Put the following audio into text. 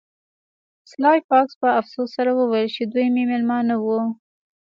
سلای فاکس په افسوس سره وویل چې دوی مې میلمانه وو